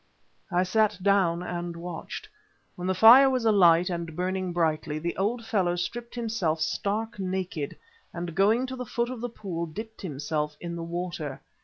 I sat down and watched. When the fire was alight and burning brightly, the old fellow stripped himself stark naked, and, going to the foot of the pool, dipped himself in the water.